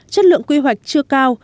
chất lượng quy hoạch chưa cao